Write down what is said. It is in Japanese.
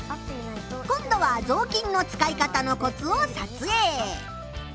今度はぞうきんの使い方のコツを撮影。